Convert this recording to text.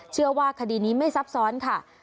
เชื่อว่าคดีนี้ไม่ซับซ้อนค่ะ